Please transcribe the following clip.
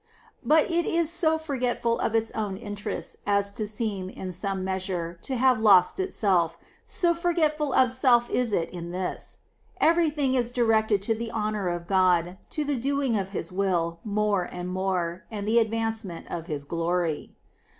But it is so forgetfal of its own interests as to seem, in some measure, to have lost itself, so forgetful of self is it in this. Every thing is directed to the honour of God, to the doing of His will more and more, and the advancement of His glory.